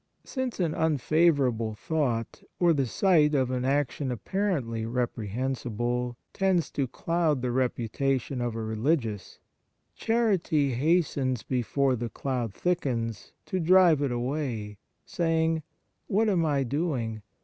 Since an unfavourable thought, or the sight of an action apparently reprehensible, tends First Characteristic to cloud the reputation of a religious, charity hastens before the cloud thickens to drive it away, saying, " What am I doing